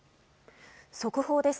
速報です。